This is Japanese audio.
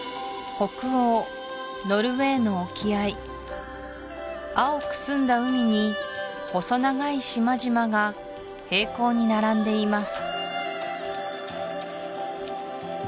北欧ノルウェーの沖合青く澄んだ海に細長い島々が平行に並んでいます